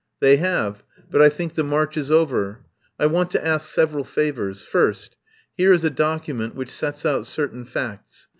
"They have, but I think the march is over. I want to ask several favours. First, here is a document which sets out certain facts.